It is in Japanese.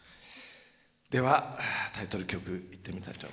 ではタイトル曲いってみたいと思います。